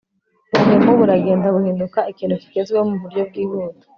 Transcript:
Ubuhemu buragenda buhinduka ikintu kigezweho mu buryo bwihuta